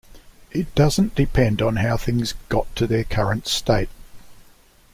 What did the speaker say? It doesn't depend on how things got to their current state.